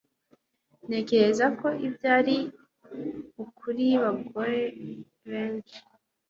Ntekereza ko ibyo ari ukuri ku bagore benshi